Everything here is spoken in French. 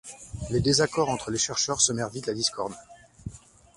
Les désaccords entre les chercheurs semèrent vite la discorde.